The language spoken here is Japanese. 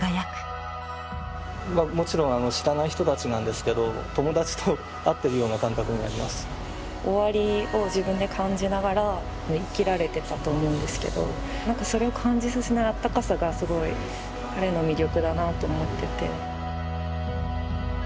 まあもちろん知らない人たちなんですけど終わりを自分で感じながら生きられてたと思うんですけど何かそれを感じさせないあったかさがすごい彼の魅力だなと思ってて。